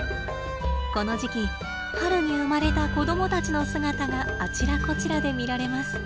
この時期春に生まれた子供たちの姿があちらこちらで見られます。